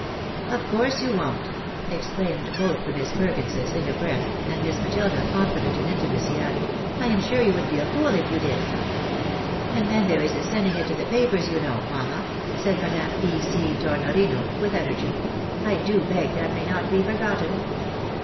" Of course you won't !" exclaimed both the Miss Perkinses in a breath, and Miss Matilda, confident in intimacy, added, " I am sure you would be a fool if you did." " And then there is the sending it to the papers you know, mamma," said Madame E. C. Tornorino, with energy; " I do beg that may not be forgotten."